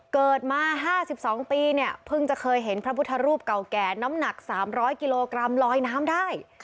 เกิดมา๕๒ปีเนี่ยเพิ่งจะเคยเห็นพระพุทธรูปเก่าแก่น้ำหนัก๓๐๐กิโลกรัมลอยน้ำได้